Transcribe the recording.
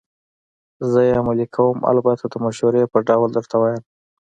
زه یې عملي کوم، البته د مشورې په ډول درته وایم.